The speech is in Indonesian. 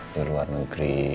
di luar negeri